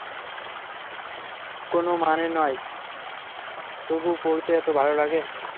কোনো মানে হয় না, তবু পড়তে এত ভালো লাগে!